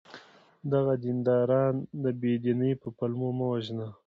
دغه دینداران د بې دینی په پلمو مه وژنه!